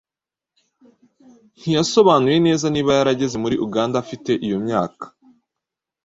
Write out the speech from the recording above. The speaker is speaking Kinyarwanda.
ntiyasobanuye neza niba yarageze muri Uganda afite iyo myaka